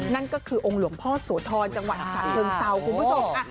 นั่นก็คือองค์หลวงพ่อสวทรจังหวัดสัตว์เทิงเศร้าคุณผู้ชม